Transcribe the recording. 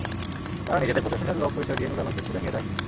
তারা নিজেদের প্রশাসনের লোক পরিচয় দিয়ে নূরে আলমকে তুলে নিয়ে যায়।